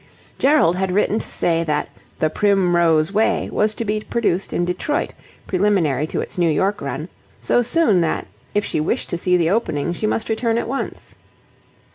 Gerald had written to say that "The Primrose Way" was to be produced in Detroit, preliminary to its New York run, so soon that, if she wished to see the opening, she must return at once.